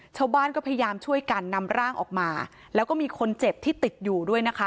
ชาวบ้านก็พยายามช่วยกันนำร่างออกมาแล้วก็มีคนเจ็บที่ติดอยู่ด้วยนะคะ